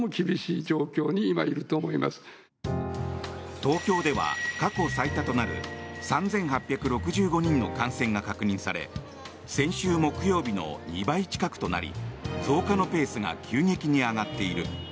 東京では過去最多となる３８６５人の感染が確認され先週木曜日の２倍近くとなり増加のペースが急激に上がっている。